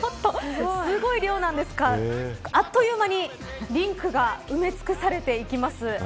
すごい量なんですがあっという間にリンクが埋め尽くされていきます。